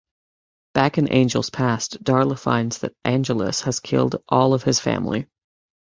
Back in Angel's past, Darla finds that Angelus has killed all of his family.